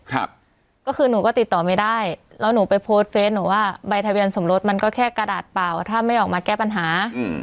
ครับก็คือหนูก็ติดต่อไม่ได้แล้วหนูไปโพสต์เฟสหนูว่าใบทะเบียนสมรสมันก็แค่กระดาษเปล่าถ้าไม่ออกมาแก้ปัญหาอืม